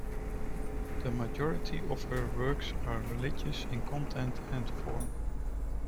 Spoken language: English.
The majority of her works are religious in content and form.